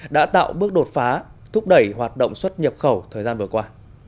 đã tạo bước đột phá thúc đẩy hoạt động xuất nhập khẩu thời gian vừa qua